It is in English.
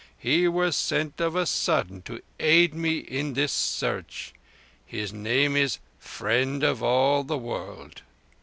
He was sent of a sudden to aid me in this search, and his name is Friend of all the World."